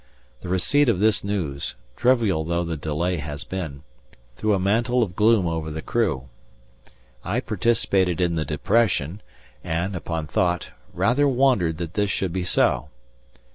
The receipt of this news, trivial though the delay has been, threw a mantle of gloom over the crew. I participated in the depression and, upon thought, rather wondered that this should be so.